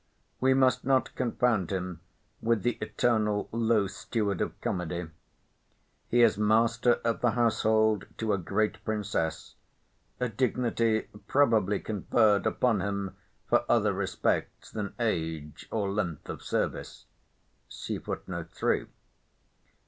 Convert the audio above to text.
We must not confound him with the eternal old, low steward of comedy. He is master of the household to a great Princess; a dignity probably conferred upon him for other respects than age or length of service.